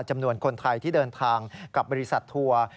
จำนวนคนไทยที่เดินทางกับบริษัททัวร์